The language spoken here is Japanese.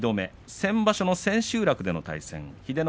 先場所の千秋楽の対戦英乃